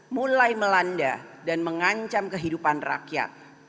mulai melanda dan mengancam kehidupan rakyat